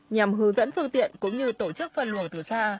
nhằm hư dẫn phương tiện cũng như tổ chức phân luận từ xa